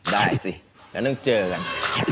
ได้สิแล้วต้องเจอกัน